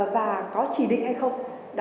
và có chỉ định hay không